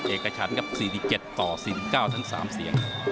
เอกชันครับ๔๗ต่อ๔๙ทั้ง๓เสียง